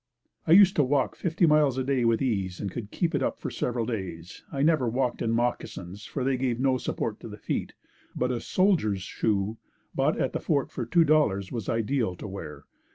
I used to walk fifty miles a day with ease, and could keep it up for several days. I never walked in moccasins, for they gave no support to the feet; but a soldier's shoe, bought at the fort for $2.00 was ideal to wear.